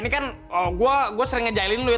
ini kan gue sering ngejalin lu ya